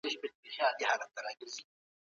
ګاونډی هیواد سیاسي بندیان نه ساتي.